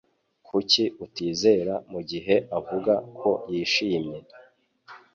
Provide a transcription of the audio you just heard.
Kuki utizera mugihe avuga ko yishimye?